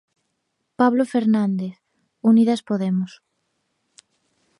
Pablo Fernández, Unidas Podemos.